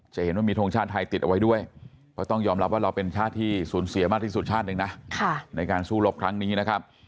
จะเห็นว่ามีทรงชาติไทยติดเอาไว้ด้วยเพราะต้องยอมรับว่าเราเป็นชาติที่สูญเสียมากที่สุดชาติหนึ่งนะในการสู้รบครั้งนี้นะครับ